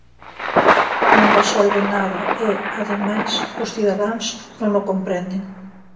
Non resolve nada e, ademais, os cidadáns non o comprenden.